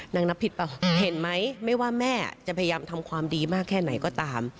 นับผิดเปล่าเห็นไหมไม่ว่าแม่จะพยายามทำความดีมากแค่ไหนก็ตาม